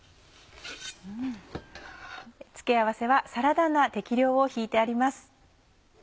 付け合わせはサラダ菜適量を引いてあります。